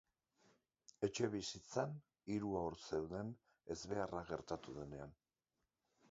Etxebizitzan hiru haur zeuden ezbeharra gertatu denean.